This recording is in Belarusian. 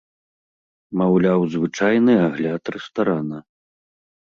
Маўляў, звычайны агляд рэстарана.